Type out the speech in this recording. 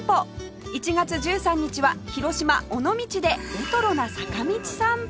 １月１３日は広島尾道でレトロな坂道散歩